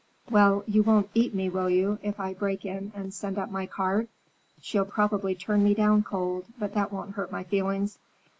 "Well, you won't eat me, will you, if I break in and send up my card? She'll probably turn me down cold, but that won't hurt my feelings.